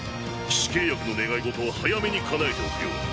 騎士契約の願い事は早めにかなえておくように。